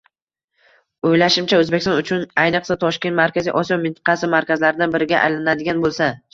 oʻylashimcha, Oʻzbekiston uchun, ayniqsa Toshkent Markaziy Osiyo mintaqasi markazlaridan biriga aylanadigan boʻlsa